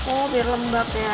oh biar lembab ya